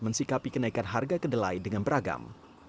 mensikapi kenaikan harga kedelai dengan beragam